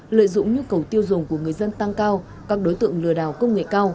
lợi dụng nhu cầu tiêu dùng của người dân tăng cao các đối tượng lừa đảo công nghệ cao